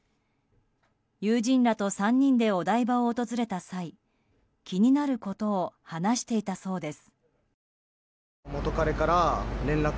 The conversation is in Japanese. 友人らと３人でお台場を訪れた際気になることを話していたそうです。